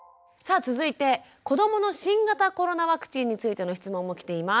続いて子どもの新型コロナワクチンについての質問も来ています。